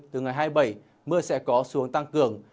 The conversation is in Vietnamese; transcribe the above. từ ngày hai mươi bảy mưa sẽ có xuống tăng cường